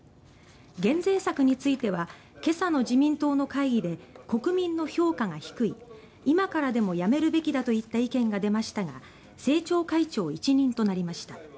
減税策については今朝の自民党の会議で国民の評価が低い今からでもやめるべきだといった意見が出ましたが政調会長一任となりました。